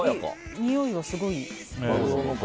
においは、すごいいい。